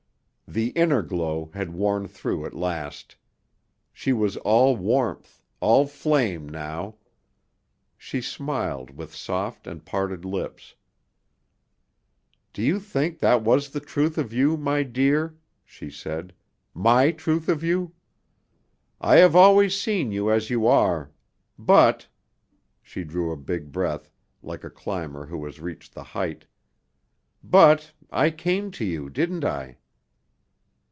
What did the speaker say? The inner glow had worn through at last. She was all warmth, all flame now. She smiled with soft and parted lips. "Do you think that was the truth of you, my dear," she said, "my truth of you? I have always seen you as you are. But" she drew a big breath, like a climber who has reached the height "but I came to you, didn't I?"